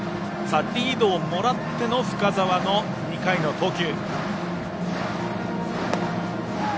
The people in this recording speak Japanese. リードをもらっての深沢の２回の投球。